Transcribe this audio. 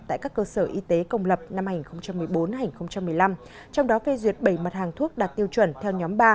tại các cơ sở y tế công lập năm hai nghìn một mươi bốn hai nghìn một mươi năm trong đó phê duyệt bảy mặt hàng thuốc đạt tiêu chuẩn theo nhóm ba